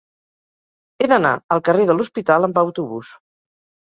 He d'anar al carrer de l'Hospital amb autobús.